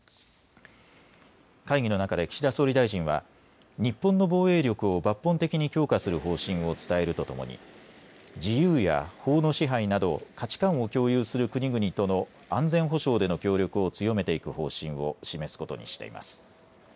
会議の中で岸田総理大臣は日本の防衛力を抜本的に強化する方針を伝えるとともに自由や法の支配など価値観を共有する国々との安全保障での協力を強めていく方針を示すことにしています。